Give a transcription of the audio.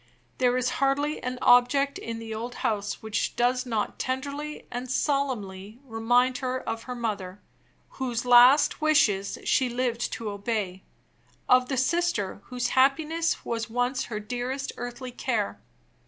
There is hardly an object in the old house which does not tenderly and solemnly remind her of the mother, whose last wishes she lived to obey; of the sister, whose happiness was once her dearest earthly care.